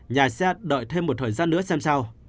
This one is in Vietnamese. nhà xe đợi thêm một thời gian nữa xem sau